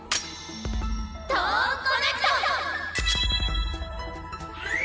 トーンコネクト！